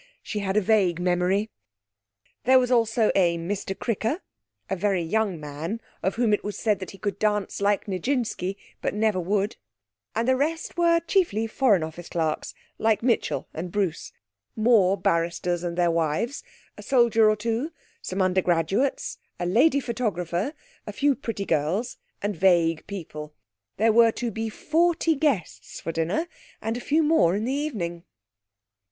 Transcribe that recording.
She had a vague memory. There was also a Mr Cricker, a very young man of whom it was said that he could dance like Nijinsky, but never would; and the rest were chiefly Foreign Office clerks (like Mitchell and Bruce), more barristers and their wives, a soldier or two, some undergraduates, a lady photographer, a few pretty girls, and vague people. There were to be forty guests for dinner and a few more in the evening.